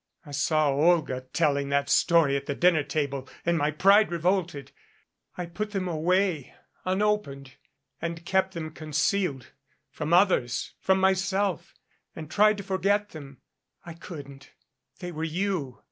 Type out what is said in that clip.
I saw Olga telling that story at the dinner table and my pride revolted. I put them away unopened, and kept them concealed from others, from myself and tried to forget them. I couldn't. They were you.